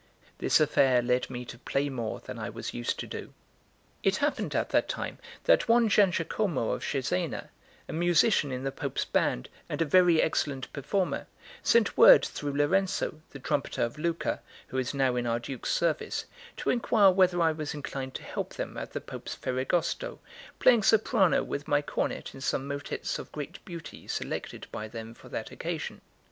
This affair led me to play more than I was used to do. It happened at that time that one Giangiacomo of Cesena, a musician in the Pope's band, and a very excellent performer, sent word through Lorenzo, the trumpeter of Lucca, who is now in our Duke's service, to inquire whether I was inclined to help them at the Pope's Ferragosto, playing soprano with my cornet in some motets of great beauty selected by them for that occasion.